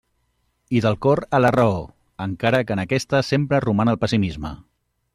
I del cor a la raó, encara que en aquesta sempre roman el pessimisme.